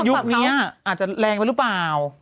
ยุคนี้อาจจะแรงไปหรือเปล่า